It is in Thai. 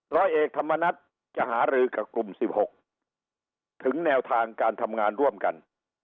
ร้อยเอกธรรมนัฐจะหารือกับกลุ่ม๑๖ถึงแนวทางการทำงานร่วมกัน